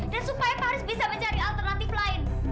dan supaya pak haris bisa mencari alternatif lain